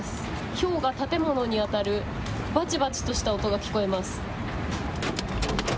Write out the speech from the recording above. ひょうが建物に当たるばちばちとした音が聞こえます。